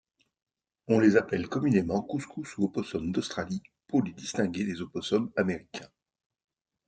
On les appelle communément couscous ou opossums d'Australie pour les distinguer des opossums américains.